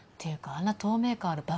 あんな透明感ある爆